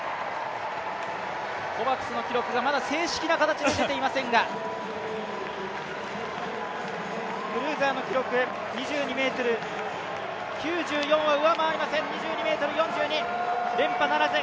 コバクスの記録がまだ正式な形で出ていませんがクルーザーの記録、２２ｍ９４は上回りません、２２ｍ４１、連覇ならず。